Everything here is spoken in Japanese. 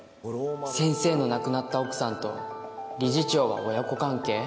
先生の亡くなった奥さんと理事長は親子関係？